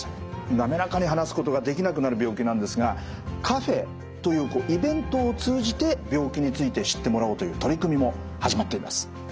滑らかに話すことができなくなる病気なんですがカフェというイベントを通じて病気について知ってもらおうという取り組みも始まっています。